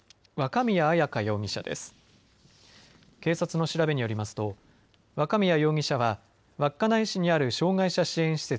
警察の調べによりますと若宮容疑者は稚内市にある障害者支援施設